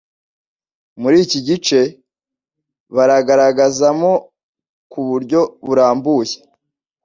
muri iki gice baragaragazamo, ku buryo burambuye,